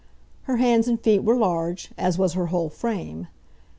Her hands and feet were large, as was her whole frame.